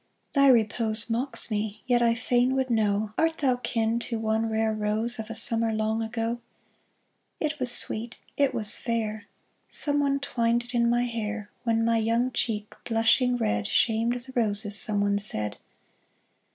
Thy repose Mocks me, yet I fain would know Art thou kin to one rare rose Of a summer long ago ? It was sweet, it was fair ; Someone twined it in my hair, When my young cheek, blushing red, Shamed the roses, someone said.